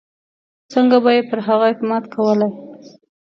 څنګه به یې پر هغه اعتماد کولای.